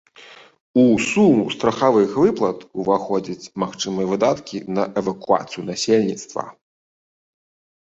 У суму страхавых выплат уваходзяць магчымыя выдаткі на эвакуацыю насельніцтва.